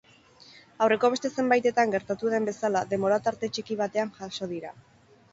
Aurreko beste zenbaitetan gertatu den bezala, denbora tarte txiki batean jaso dira.